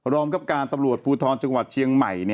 รองคับการตำรวจภูทรจังหวัดเชียงใหม่